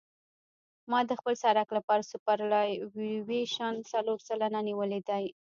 ما د خپل سرک لپاره سوپرایلیویشن څلور سلنه نیولی دی